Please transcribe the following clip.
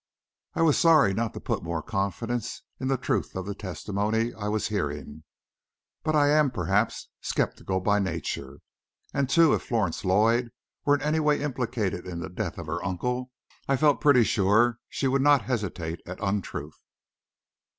I was sorry not to put more confidence in the truth of the testimony I was hearing, but I am, perhaps, sceptical by nature. And, too, if Florence Lloyd were in any way implicated in the death of her uncle, I felt pretty sure she would not hesitate at untruth.